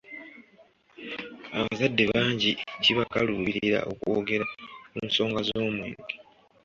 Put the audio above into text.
Abazadde bangi kibakaluubirira okwogera ku nsonga z’omwenge.